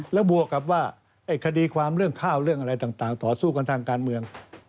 แล้วบวกกับว่าคดีความเรื่องข้าวเรื่องอะไรต่างต่อสู้กันทางการเมือง